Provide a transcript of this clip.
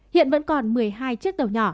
hiện vẫn còn một mươi hai chiếc tàu nhỏ